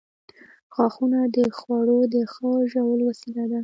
• غاښونه د خوړو د ښه ژولو وسیله ده.